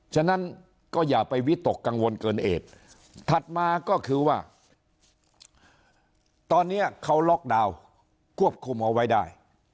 ฉะนั้นก็อย่าไปวิตกกังวลเกินเหตุถัดมาก็คือว่าตอนนี้เขาล็อกดาวน์ควบคุมเอาไว้ได้